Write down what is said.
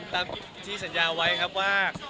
ตามที่สัญญาไว้ครับว่า